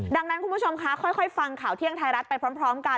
ดังนั้นคุณผู้ชมคะค่อยฟังข่าวเที่ยงไทยรัฐไปพร้อมกัน